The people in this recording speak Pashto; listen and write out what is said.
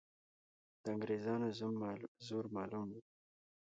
د انګریزانو زور معلوم وو.